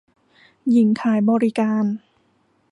หญิงขายบริการ